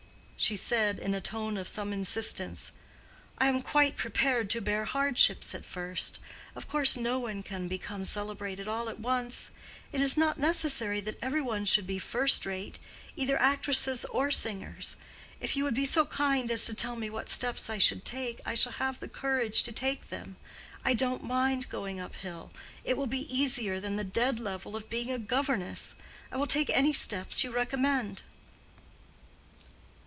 She said, in a tone of some insistence; "I am quite prepared to bear hardships at first. Of course no one can become celebrated all at once. And it is not necessary that every one should be first rate—either actresses or singers. If you would be so kind as to tell me what steps I should take, I shall have the courage to take them. I don't mind going up hill. It will be easier than the dead level of being a governess. I will take any steps you recommend."